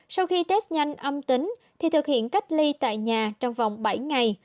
sau khi test nhanh âm tính thì thực hiện cách ly tại nhà trong vòng bảy ngày